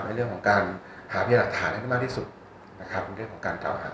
ในเรื่องของการหาพยาหลักฐานให้ได้มากที่สุดนะครับในเรื่องของการเก่าหา